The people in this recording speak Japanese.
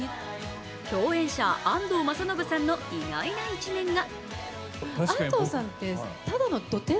共演者、安藤政信さんの意外な一面が。